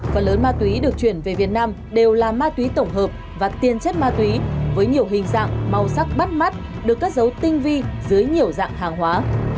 phần lớn ma túy được chuyển về việt nam đều là ma túy tổng hợp và tiền chất ma túy với nhiều hình dạng màu sắc bắt mắt được cất dấu tinh vi dưới nhiều dạng hàng hóa